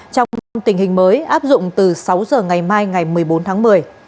trong tình hình mới áp dụng từ sáu giờ ngày mai ngày một mươi bốn tháng một mươi